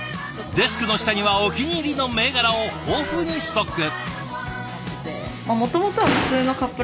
デスクの下にはお気に入りの銘柄を豊富にストック。